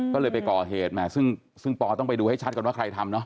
ก็เลยไปก่อเหตุมาซึ่งปอต้องไปดูให้ชัดก่อนว่าใครทำเนาะ